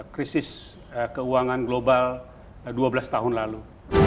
krisis keuangan global dua belas tahun lalu